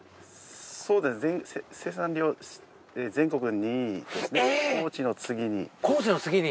そうですね生産量全国２位高知の次に。